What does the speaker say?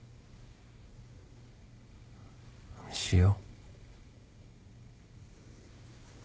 しよ。